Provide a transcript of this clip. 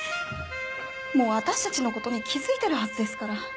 もう私たちの事に気づいてるはずですから。